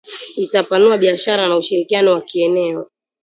Itapanua biashara na ushirikiano wa kieneo